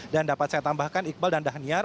dan dapat saya tambahkan iqbal dan dhaniar